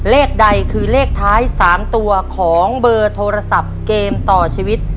เลขใดคือเลขท้าย๓ตัวของเบอร์โทรศัพท์เกมต่อชีวิต